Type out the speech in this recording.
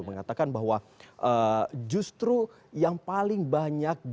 mengatakan bahwa justru yang paling banyak